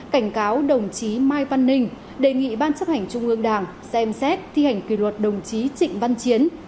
cảnh cáo đồng chí mai văn ninh đề nghị ban chấp hành trung ương đảng xem xét thi hành kỷ luật đồng chí trịnh văn chiến